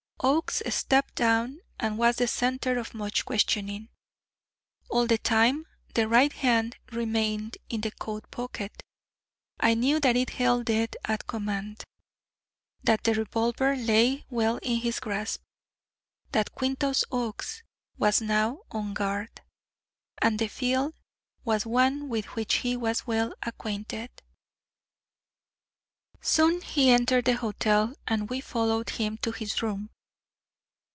Oakes stepped down and was the centre of much questioning. All the time the right hand remained in the coat pocket. I knew that it held death at command; that the revolver lay well in his grasp; that Quintus Oakes was now on guard, and the field was one with which he was well acquainted. Soon he entered the hotel, and we followed him to his room.